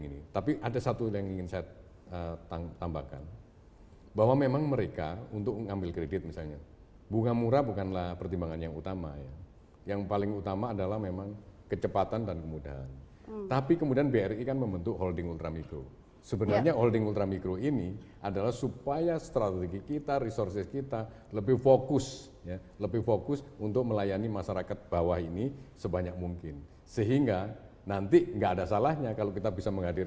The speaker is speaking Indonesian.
ini tapi ada satu yang ingin saya tambahkan bahwa memang mereka untuk mengambil kredit misalnya bunga murah bukanlah pertimbangan yang utama ya yang paling utama adalah memang kecepatan dan kemudahan tapi kemudian bri kan membentuk holding ultramikro sebenarnya holding ultramikro ini adalah supaya strategi kita resources kita lebih fokus ya lebih fokus untuk melayani masyarakat bawah ini sebanyak mungkin sehingga nanti nggak ada salahnya kalau kita bisa mencari kredit